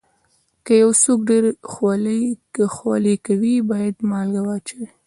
که یو څوک ډېر خولې کوي، باید مالګه واچوي.